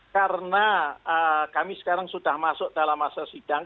karena kami sekarang sudah masuk dalam masa sidang